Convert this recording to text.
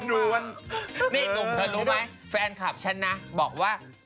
เลวอ่ะ